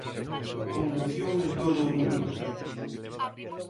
Conmoción en todo o mundo.